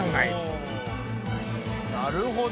なるほど。